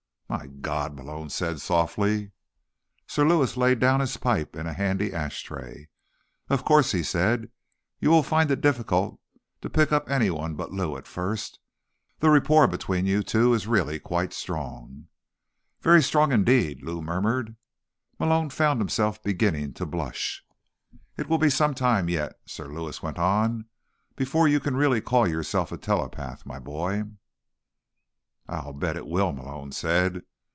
_ "My God," Malone said softly. Sir Lewis laid down his pipe in a handy ashtray. "Of course," he said, "you will find it difficult to pick up anyone but Lou, at first. The rapport between you two is really quite strong." "Very strong indeed," Lou murmured. Malone found himself beginning to blush. "It will be some time yet," Sir Lewis went on, "before you can really call yourself a telepath, my boy." "I'll bet it will," Malone said.